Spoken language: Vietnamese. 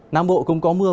nam bộ cũng có mưa